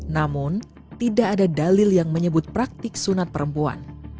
namun tidak ada dalil yang menyebut praktik sunat perempuan